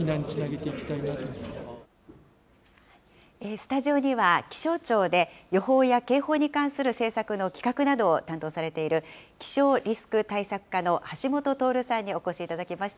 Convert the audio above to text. スタジオには、気象庁で予報や警報に関する政策の企画などを担当されている気象リスク対策課の橋本徹さんにお越しいただきました。